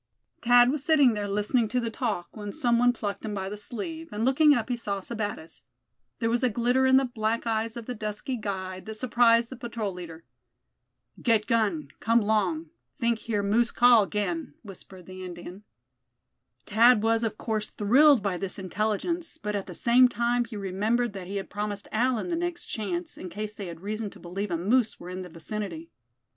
Thad was sitting there, listening to the talk, when some one plucked him by the sleeve, and looking up, he saw Sebattis. There was a glitter in the black eyes of the dusky guide that surprised the patrol leader. "Get gun—come 'long—think hear moose call 'gain," whispered the Indian. Thad was of course thrilled by this intelligence; but at the same time he remembered that he had promised Allan the next chance, in case they had reason to believe a moose were in the vicinity.